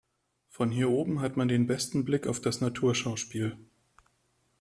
Von hier oben hat man den besten Blick auf das Naturschauspiel.